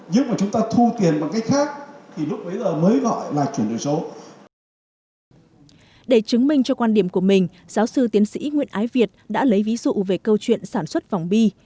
để chứng minh cho quan điểm của mình giáo sư tiến sĩ nguyễn ái việt đã lấy ví dụ về câu chuyện sản xuất vòng bi